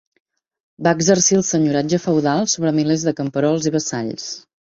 Va exercir el senyoratge feudal sobre milers de camperols i vassalls.